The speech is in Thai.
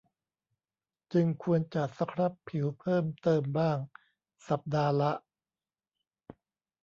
จึงควรจะสครับผิวเพิ่มเติมบ้างสัปดาห์ละ